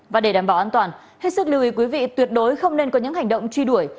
và để đảm bảo an toàn hết sức lưu ý quý vị tuyệt đối không nên có những hành động truy đuổi